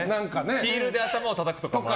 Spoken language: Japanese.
ヒールで頭をたたくとか。